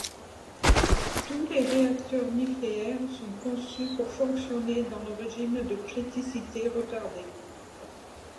Tous les réacteurs nucléaires sont conçus pour fonctionner dans le régime de criticité retardée.